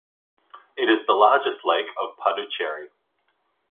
It is the largest lake of Puducherry.